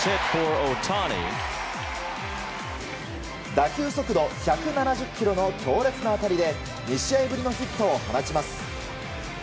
打球速度１７０キロの強烈な当たりで２試合ぶりのヒットを放ちます。